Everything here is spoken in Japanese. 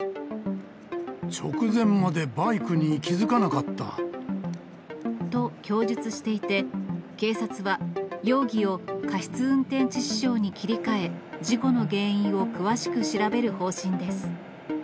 直前までバイクに気付かなかと供述していて、警察は容疑を過失運転致死傷に切り替え、事故の原因を詳しく調べる方針です。